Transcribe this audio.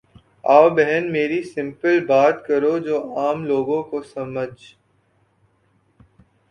او بہن میری سمپل بات کرو جو عام لوگوں کو سمحجھ